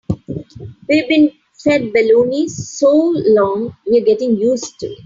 We've been fed baloney so long we're getting used to it.